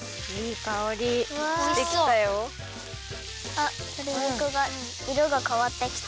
あっとり肉がいろがかわってきた。